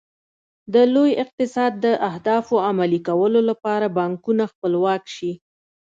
د لوی اقتصاد د اهدافو عملي کولو لپاره بانکونه خپلواک شي.